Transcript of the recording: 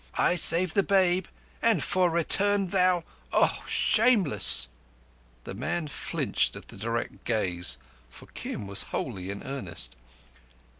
I save the babe, and for return thou—oh, shameless!" The man flinched at the direct gaze, for Kim was wholly in earnest.